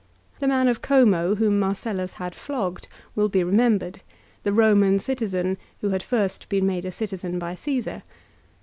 The man of Como, whom Marcellus had flogged, will be remembered, the Roman citizen who had first been made a citizen by Caesar.